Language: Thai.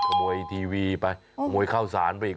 ขโมยทีวีไปขโมยข้าวสารไปอีก